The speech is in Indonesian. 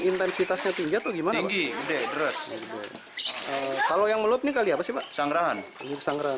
ini emang sering banjir atau gimana bang